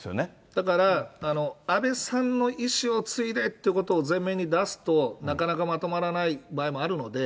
だから、安倍さんの意思を継いでっていうことを前面に出すと、なかなかまとまらない場合もあるので、